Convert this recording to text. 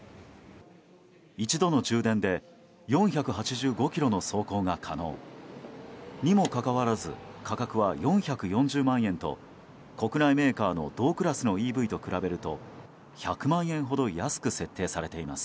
１度の充電で４８５ｋｍの走行が可能。にもかかわらず価格は４４０万円と国内メーカーの同クラスのＥＶと比べると１００万円ほど安く設定されています。